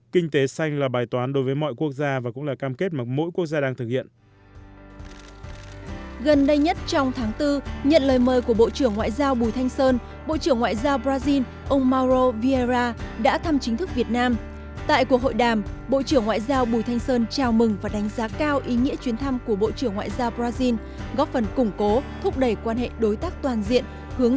kinh tế xanh là bài toán đối với mọi quốc gia và cũng là cam kết mà mỗi quốc gia đang thực hiện